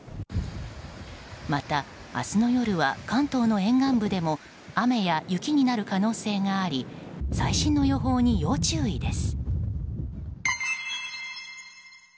また、明日の夜は関東の沿岸部でも雨や雪になる可能性があり最新の予報に要注意です。